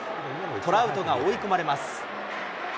トラウトが追い込まれます。